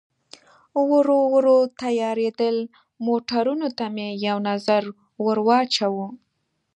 ورو ورو تیارېدل، موټرونو ته مې یو نظر ور واچاوه.